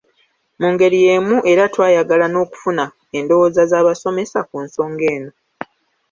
Mu ngeri y'emu era twayagala n'okufuna endowooza z'abasomesa ku nsonga eno.